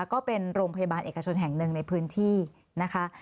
ก็เป็นโรงพยาบาลเอกชนแห่งหนึ่งในพื้นที่นะคะ